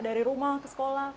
dari rumah ke sekolah